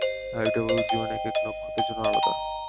Habitable zone একেক নক্ষত্রের জন্য আলাদা।